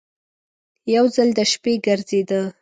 یو ځل د شپې ګرځېده.